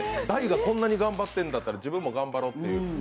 大がこんなに頑張っているんだったら、自分も頑張ろうって。